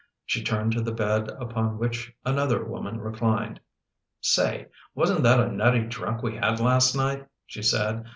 She turned to the bed upon which another woman reclined. " Say, wasn't that a nutty drunk we had last night?" she said.